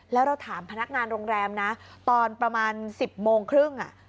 แล้วเราถามพนักงานโรงแรมนะตอนประมาณ๑๐โมงครึ่ง